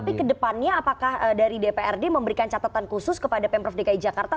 tapi kedepannya apakah dari dprd memberikan catatan khusus kepada pemprov dki jakarta